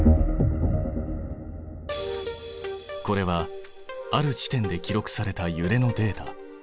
これはある地点で記録されたゆれのデータ。